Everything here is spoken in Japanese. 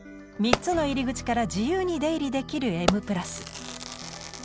３つの入り口から自由に出入りできる「Ｍ＋」。